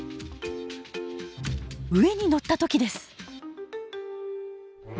上に乗った時です。